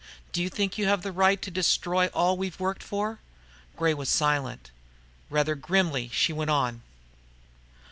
"Do you think you have the right to destroy all we've worked for?" Gray was silent. Rather grimly, she went on.